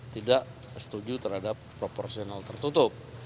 tidak setuju terhadap proporsional tertutup